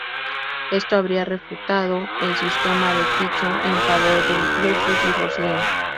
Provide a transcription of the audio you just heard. Esto habría refutado el sistema de Tycho en favor del de Ursus y Roslin.